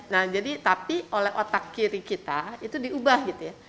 nah jadi tapi oleh otak kiri kita itu diubah gitu ya